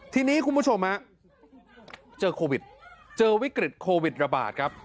ทีนี้คุณผู้ชมฮะเจอโควิดเจอวิกฤตโควิดระบาดครับ